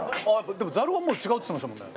でもザルはもう違うっつってましたもんね。